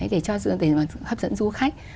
để hấp dẫn du khách